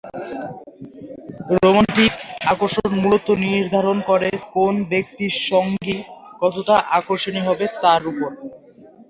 Romantic আকর্ষণ মূলত নির্ধারণ করে কোন ব্যক্তির সঙ্গী কতটা আকর্ষণীয় তার উপর।